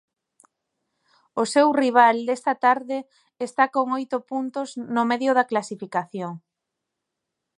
O seu rival desta tarde está con oito puntos no medio da clasificación.